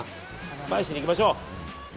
スパイシーにいきましょう。